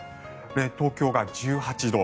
東京が１８度。